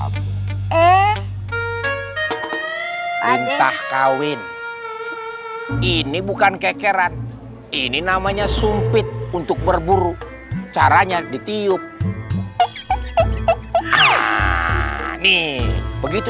entah kawin ini bukan kekeran ini namanya sumpit untuk berburu caranya ditiup nih begitu